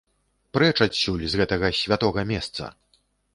Прэч адсюль, з гэтага святога месца!